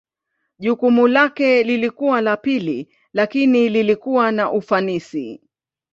Jukumu lake lilikuwa la pili lakini lilikuwa na ufanisi.